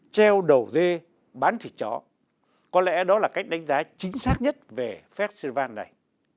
treo đầu dê bán thịt chó có lẽ đó là cách đánh giá chính xác nhất về festival này